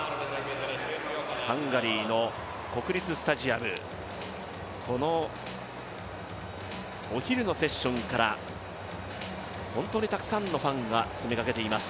ハンガリーの国立スタジアム、お昼のセッションから本当にたくさんのファンが詰めかけています。